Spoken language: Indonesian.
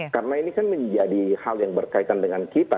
karena ini kan menjadi hal yang berkaitan dengan kita